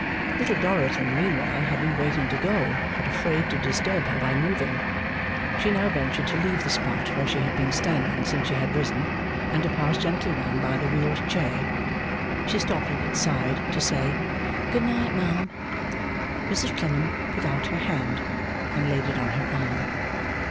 Little Dorrit in the meanwhile had been waiting to go, but afraid to disturb her by moving. She now ventured to leave the spot where she had been standing since she had risen, and to pass gently round by the wheeled chair. She stopped at its side to say 'Good night, ma'am.' Mrs Clennam put out her hand, and laid it on her arm.